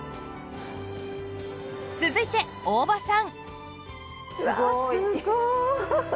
続いて大場さん